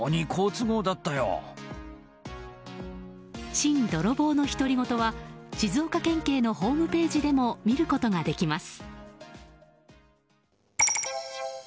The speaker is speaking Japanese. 「シン・ドロボーのひとり言」は静岡県警のホームページでも見ることができます。